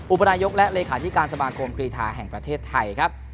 อุปนายกและเลขาธิการสมาคมกรีธาแห่งประเทศไทยครับ